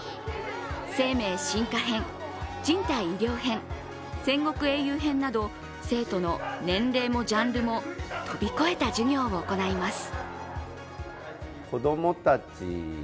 生命進化編、人体医療編、戦国英雄編など、生徒の年齢もジャンルも飛び越えた授業を行います。